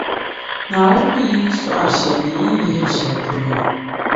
Naawuni mi yi ni sɔɣiri shɛli, ni yi ni yihiri shεli polo ni.